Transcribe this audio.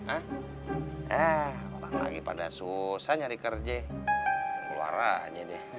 apalagi pada susah nyari kerja keluar aja deh